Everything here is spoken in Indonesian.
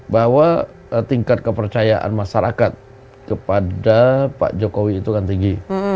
bahwa tingkat kepercayaan masyarakat kepada pak jokowi itu kan tinggi